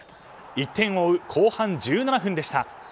１点を追う後半１７分でした。